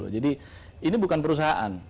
jadi ini bukan perusahaan